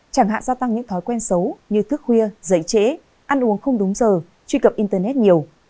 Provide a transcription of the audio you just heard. chẳng hạn gia tăng những thói quen xấu như thức khuya dạy trễ ăn uống không đúng giờ truy cập internet nhiều